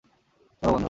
চল, বন্ধুরা!